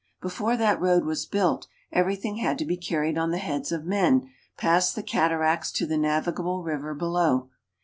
Before that road was built everything had to be carried on the heads of men past the cataracts to the navigable river below.